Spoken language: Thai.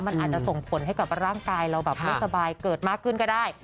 มันอาจจะส่งผลให้กับร่างกายเราแบบไม่สบายเกิดมากขึ้นก็ได้